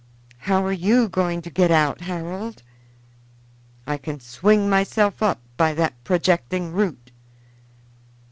"How are you going to get out, Harold?" "I can swing myself up by that projecting root."